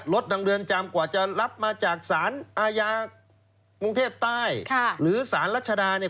ทางเรือนจำกว่าจะรับมาจากสารอาญากรุงเทพใต้หรือสารรัชดาเนี่ย